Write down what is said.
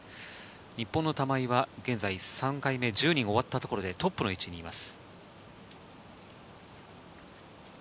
日本の玉井は現在、３回目、１０人が終わったところでトップの位置にいます。